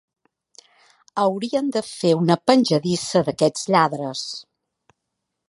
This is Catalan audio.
Haurien de fer una penjadissa d'aquests lladres!